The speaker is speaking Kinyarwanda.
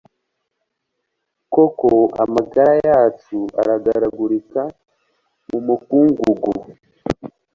Koko amagara yacu aragaragurika mu mukungugu